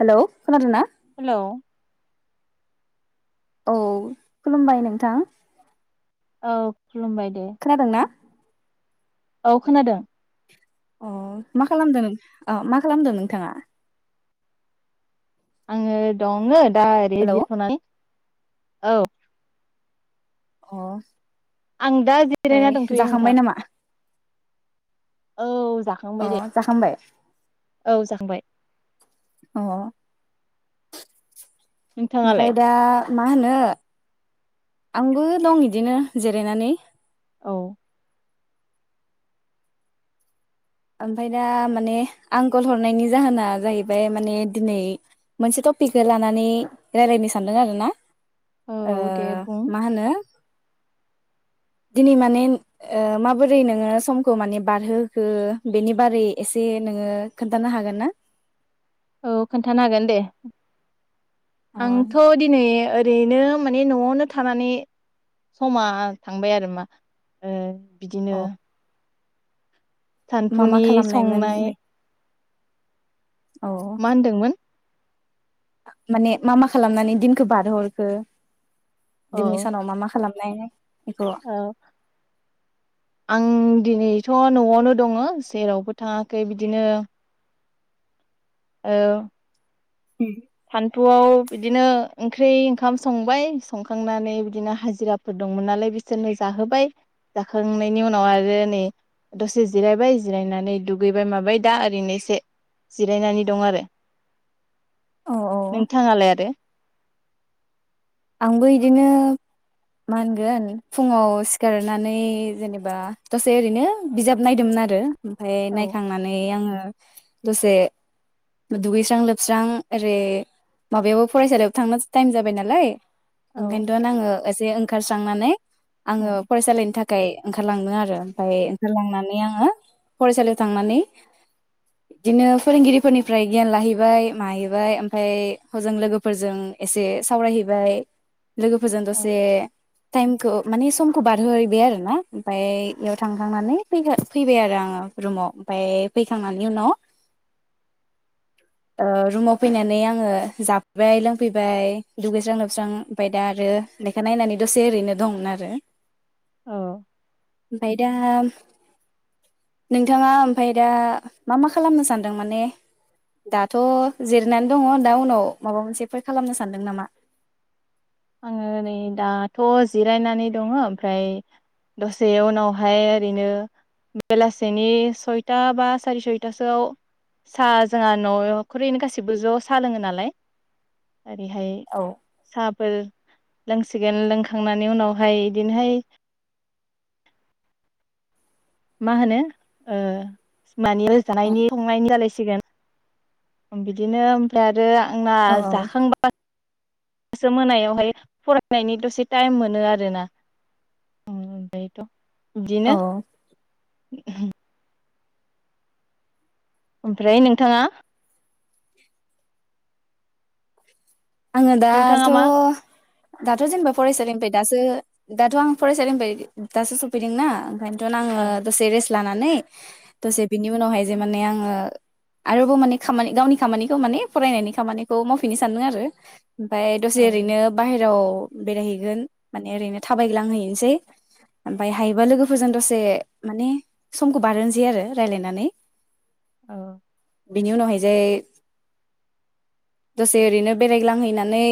Hello खोनादोना? Hello औ खुलुमबाय नोंथां। औ खुलुमबाय दे। खोनादों ना औ खोनादों। अ मा खालामदों नों अ मा खालामदों नोंथाङा? आङो दङो दा ओरैनो हेलौ अ जिरायथनानै। औ अ आं दा जिरायना दंथ'यो नोंथां। नामा औ अ जाखांबाय दे जाखांबाय? औ जाखांबाय। अ ओमफाय नोंथाङालाय दा मा होनो आंबो दं इदिनो जिरायनानै। औ ओमफाय दा माने आं खल हरनायनि जाहोना जाहैबाय माने दिनै मोनसे टपिकखौ लानानै रायलायनो सानदों आरोना। औ ओ दे बुं मा होनो दिनै माने ओ माबोरै नोङो समखौ माने बारहोखो? बेनि बारै एसे नोङो खोन्थानो हागोन ना? औ खोन्थानो हागोन दे। अ आंथ' दिनै ओ ओरैनो माने न'आवनो थानानै समा थांबाय आरो मा ओ अ बिदिनो मा मा सानफुनि खालामनायमोन संनाय बे औ मा होनदोंमोन? माने मा मा खालामनानै दिनखौ बारहरखो? औ दिनै सानाव मा मा खालामनाय? बेखौ औ आं दिनैथ' न'आवनो दङ जेरावबो थाङाखै बिदिनो औ। [unintelligible] न'आव बिदिनो ओंख्रि ओंखाम संबाय संखांनानै बिदिनो हाजिराफोर दंमोन नालाय बिसोरनो जाहोबाय जाखांनायनि उनाव आरो नै दसे जिरायबाय जिरायनानै दुगैबाय माबाय दा ओरैनोसे जिरायनानै दं आरो। औ औ नोंथाङालाय आरो? आंबो बिदिनो मा होनगोन फुङाव सिखारनानै जेनेबा दसे ओरैनो बिजाब नायदोंमोन आरो। ओमफाय औ नायखांनानै आंङो दसे दुगैस्रां लोबस्रां ओरै माबायावबो फरायसालियाव थांनो टाइम जाबाय नालाय। औ ओंखायनथ आंङो एसे ओंखार थांनानै आंङो फरायसालिनि थाख खाय ओंखारलांदों आरो ओमफाय ओंखारलांनानै आङो फरायसालियाव थांनानै बिदिनो फोरोंगिरिफोरनिफ्राय गियान लाहैबाय माहैबाय ओमफाय हजों लोगोफोरजों एसे सावरायहैबाय। लोगोफोरजों औ दसे टाइम खौ माने समखौ बारहोहैबाय आरोना ओमफाय बेयाव थांखांनानै फैबाय फैबाय आरो आंङो रुमाव ओमफाय फैखांनायनि उनाव ओ रुमाव फैनानै आंङो जाफैबाय लोंफैबाय दुगैस्रां लोबस्रां ओमफाय दा आरो लेखा नायनानै दसे ओरैनो दंमोन आरो। औ। ओमफाय दा नोंथाङा ओमफाय दा मा मा खालामनो सानदों माने दाथ जिरनानै दङ दा उनाव माबा मोनसेफोर खालामनो सानदों नामा? आंङो नै दाथ जिरायनानै दङ ओमफ्राय दसे उनावहाय ओरैनो बेलासेनि सयथा बा सारि सयथासोआव साहा जोंहा न'खरैनो गासिबो ज साहा लोङो नालाय। ओरैहाय औ साब फोर लोंसिगोन लोंखांनानै उनावहाय बिदिनोहाय मा होनो ओ मानि औ जानायनि संनायनि जालायसि सिगोन ओम बिदिनो ओमफ्राय आर रो आंना औ जाखांबा इसो मोनायावहाय फरायनायनि दसे टाइम मोनो आरोना ओम ओमफ्रायथ बिदिनो औ लांदां ओमफ्राय नोंथाङा आंङो दाथ नोंथाङा मा दाथ जेनेबा फरायसालिनिफ्राय दासो दाथ आं फरायसालिनिफ्राय दासो सफैदोंना ओंखायनथ आ औ लानानै दसे बिनि उनावहाय जे माने आङो आरोबाव माने खामानि गावनि खामानिखौ माने फरायनायनि खामानिखौ मावफिनो सानदों आरो ओमफाय दसे औ ओरैनो बाहेराव बेरायहैगोन माने ओरैनो थाबायग्लांहैनोसै ओमफाय हायोबा लोगोफोरजों दसे माने समखौ बारहोनोसै आरो रायजलायनानै औ बिनि उनावहाय जे दसे ओरैनो बेरायग्लांहैनानै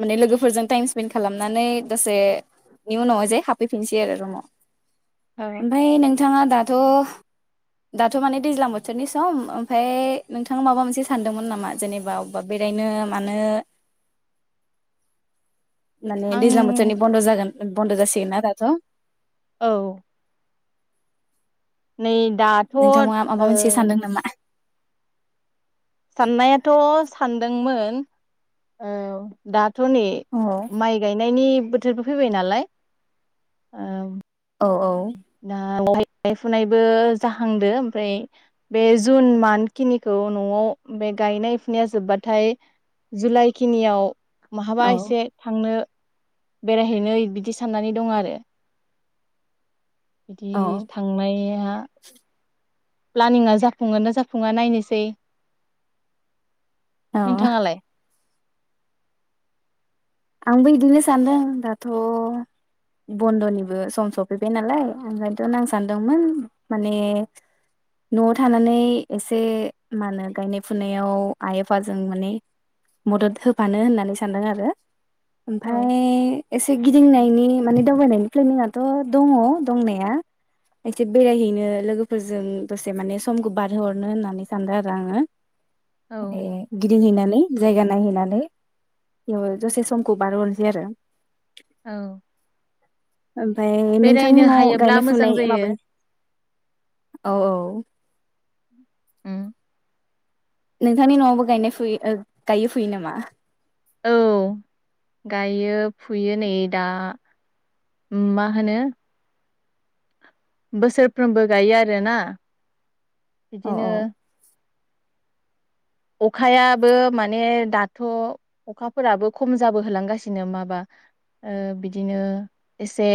माने लोगोफोरजों टाइम स्पेन्ड खालामनानै दसेनि बेनि उनावहाय जे हाबफैफिनसै आरो रुमाव औ ओमफाय नों नोंथाङा दाथ दाथ माने दैज्लां बोथोरनि सम ओमफाय नोंथाङा माबा मोनसे सानदोंमोन नामा जेनेबा अबेबा बेरायनो मानो माने आं दैजां बोथोरनि बन्द जागोन बन्द जासिगोनना दाथ औ नै दाथ' ओ नोंथाङा माबा मोनसे सानदों नामा साननायाथ' सानदोंमोन औ दा थ' नै औ माइ गायनायनि बोथ बोथोरबो फैबाय नालाय औ औ दा गायनाय फुनायबो जाहांदो ओमफ्राय बे जुन मान्थ खिनिखौ न'आव बे गायनाय फुनाया जोब्बाथाय जुलाइ खिनियाव बहाबा औ एसे थांनो बेरायहैनो बिदि साननानै दं आरो बिदि औ थांनाया प्लानिंआ जाफुङोना जाफुङा नायनोसै औ नोंथाङालाय आंबो बिदिनो सानदों दाथ' बन्द'निबो सम सफैबाय नालाय ओंखायनोथ' आं सानदोंमोन माने न'आव थानानै एसे मा होनो गायनाय फुनायाव आइ आफाजों माने मदद होफानो होननानै सानदों आरो औ ओमफ्राय एसे गिदिंनायनि माने दावबायनायनि प्लेनिंथ' दङ दंनाया एसे बेरायहैनो लोगोफोरजों दसे माने समखौ बारहोहरनो होननानै सानदों आरो आङो औ माने बिद दिंहैनानै जायगा नायहैनानै दसे समखौ बारहरनोसै आरो औ ओमफ्राय नोंथांनि बेरायनो न'आव हायोब्ला गायनाय मोजां फुनाय जायो माबायो औ औ उम। नोंथांनि न'आवबो गायनाय फुयो गायो फुयो नामा औ गायो फुयो नै दा मा होनो बोसोरफ्रोमबो गायो आरोना औ बिदिनो औ अखायाबो माने दाथ' अखाफोराबो खम जाबो होलांगासिनो माबा अ बिदिनो एसे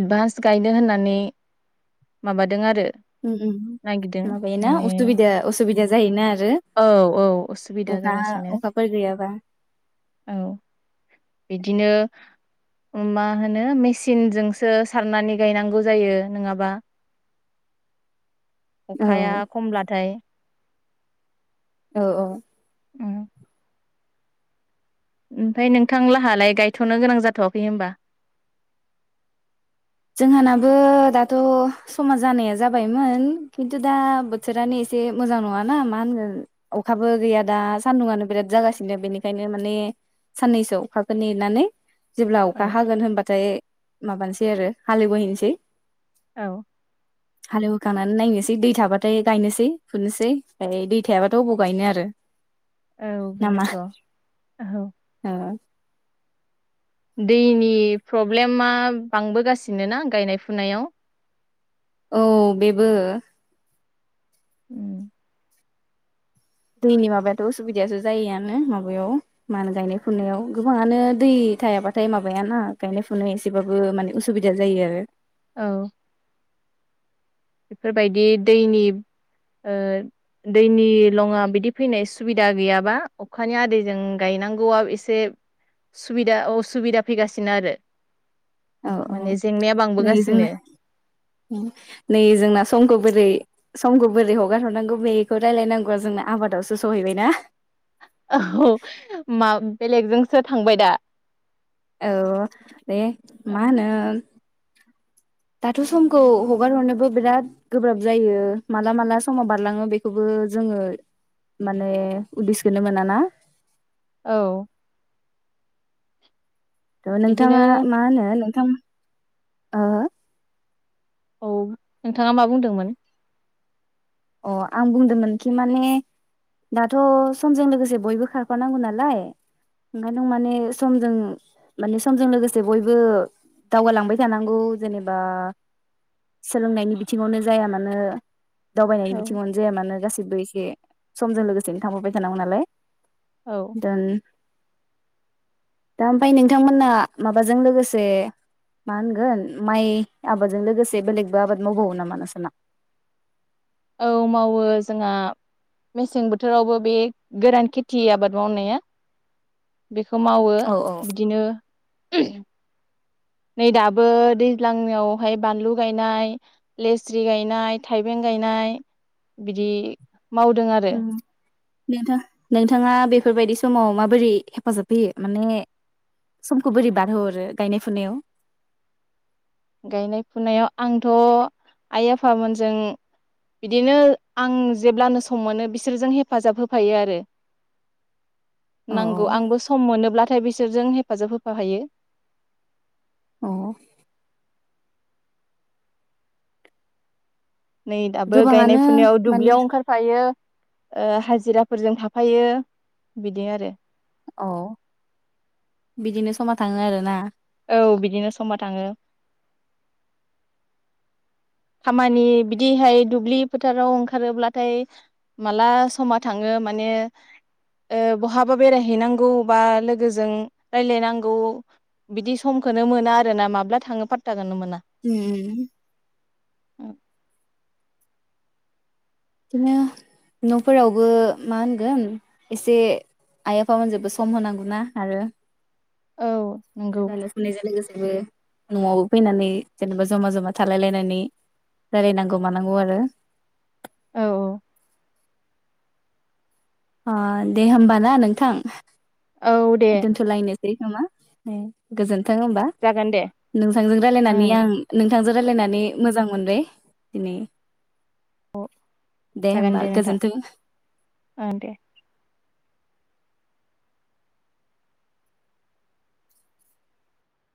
एडभान्स गायनो होननानै माबादों आरो ओम ओम नागिरदों माबायोना माने उसुबिदा उसुबिदा जायोना आर औ औ उसुबिदा जागासिनो अखाफोर गैयाबा औ बिद बिदिनो मा होनो मेसिनजोंसो सारनानै गायनांगौ जायो नङाबा औ अखाया खमब्लाथाय औ औ उम ओमफ्राय नोंथां लाहालाय गायथ'नो गोनां जाथ'वाखै होमबा? जोंहानाबो दाथ' समाज जानाया जाबायमोन खिन्थु दा बोथोरानो एसे मोजां नङाना मा होनगोन अखाबो गैया दा सान्दुंङआनो बिराद जागासिनो बेनिखायनो माने साननैसो अखाखौ नेनानै जेब्ला औ अखा हागोन होनबाथाय माबानोसै आरो हालो बोहैनोसै औ हालेवखांनानै नायनोसै दै थाबाथाय गायनोसै फुनोसै ओमफ्राय दै थायाबाथ' बबाव गायनो आरो औ नामा बेनोथ' औ दैनि प्रब्लेमा बांबोगासिनो ना गायनाय फुनायाव औ बेबो उम दैनि माबायाथ' उसुबिदायासो जायोआनो माबायाव मा होनो गायनाय फुनायाव गोबाङानो दै थायाबाथाय माबायाना गायनाय फुनाय एसेबाबो माने उसुबिदा जायो आरो औ बेफोरबायदि दैनि ओ दैनि लङा बिदि फैनाय सुबिदा गैयाबा अखानि आदैजों गायनांगौआ एसे सुबिदा उसुबिदा फैगासिनो आरो औ औ माने जेंनाया नै जोंना बांबोगासिनो नै जोंना समखौ बोरै समखौ बोरै हगारहरनांगौ बेखौ रायलायनांगौआ जोंना आबादावसो सहैबायना? [unintelligible] बेलेगजोंसो थांबाय दा औ दे मा होनो दाथ' समखौ हगार हरनोबो बिराद गोब्राब जायो माला माला समाव बारलाङो बेखौबो जोङो माने उदिसखोनो मोना ना? औ थ' नोंथाङा बिदिनो मा होनो थां ओ औ नोंथाङा मा बुंदोंमोन? अ आं बुंदोंमोनखि माने दाथ' समजों लोगोसे बयबो खारफानांगौ नालाय ओंखायनो माने समजों माने समजों लोगोसे बयबो दावगालांबाय थानांगौ जेनेबा सोलोंनायनि बिथिङावनो जाया मानो दावबायनायनि औ बिथिङावनो जाया मानो गासै बो एसे समजों लोगोसेनो थांफाबाय थानांगौ नालाय औ [unintelligible] दा ओमफ्राय नोंथांमोना माबाजों लोगोसे मा होनगोन माइ आबादजों लोगोसे बेलेगबो आबाद मावबावो नामा नोंसोरना? औ मावो जोंहा मेसें बोथोरावबो बे गोरान खेथि आबाद मावनाया बे खौ मावो औ औ बिदिनो उ नै दाबो दैज्लांनियावहाय बानलु गायनाय लेस्रि गायनाय थाइबें गायनाय बिदि मावदों आरो नोंथां नोंथाङा बेफोरबायदि समाव माबोरै हेफाजाब होयो माने समखौ बोरै बारहोहरो गायनाय फुनायाव? गायनाय फुनायाव आंथ' आइ आफामोनजों बिदिनो आं जेब्लानो सम मोनो बिसोरजों हेफाजाब होफायो आरो। औ नंगौ आंबो सम मोनोब्ला थाइ बिसोरजों हेफाजाब होफा हायो। अह। नै दाबो गायनाय गोबाङानो फुनायाव माने दुब्लियाव ओंखारफायो हाजिराफोरजों थाफायो बिदि आरो। औ बिदिनो समा थाङो आरो ना? औ बिदिनो समा थाङो। खामानि बिदिहाय दुब्लि फोथाराव ओंखारोब्लाथाय माला समा थाङो माने बहाबा बेरायहैनांगौ बा लोगोजों रायलायनांगौ बिदि समखौनो मोना आरो ना माब्ला थाङो फाथ्था उम उम। [inaudible] बिदिनो न'फोरावबो मा होनगोन एसे आइ आफामोनजोंबो सम होनांगौना आरो औ [unintelligible] नंगौ न'आवबो फैनानै जेनेबा जमा जमा थालायलायनानै रायलायनांगौ मानांगौ आरो औ औ। ओ दे होमबा ना नोंथां। औ दे दोनथलायनो सै नामा उम गोजोन थों होमबा जागोन दे नोंथांजों रायलायनानै ओं आं नों थांजों रायलायनानै मोजां मोनबाय दिनै। औ जागोन होमबा दे नोंथां गोजोन्थों ओ दे।